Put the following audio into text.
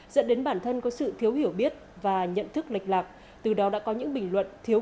dẫn đến bản thân có sự thiếu hiểu biết và nhận thức lệch lạc từ đó đã có những bình luận thiếu